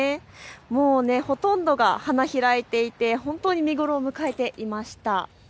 もうほとんどが花開いていて本当に見頃を迎えていました。